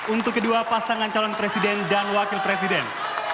untuk kedua pasangan calon presiden dan wakil presiden